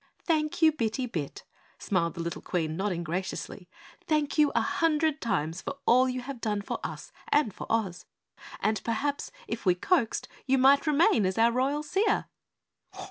"Thank you, Bitty Bit," smiled the little Queen, nodding graciously. "Thank you a hundred times for all you have done for us and for Oz, and perhaps, if we coaxed, you might remain as our Royal Seer?"